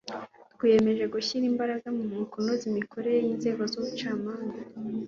twiyemeje gushyira imbaraga mu kunoza imikorere y'inzego z'ubucamanza